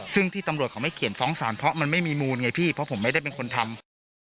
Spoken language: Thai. ซึ่งที่ตำรวจเขาไม่เขียนฟ้องสารเพราะมันไม่มีมูลไงพี่เพราะผมไม่ได้เป็นคนทำ